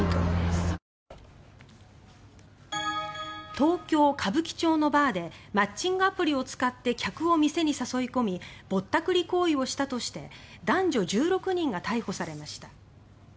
東京・歌舞伎町のバーでマッチングアプリを使って客を店に誘い込みぼったくり行為をしたとして男女１６人が逮捕されました。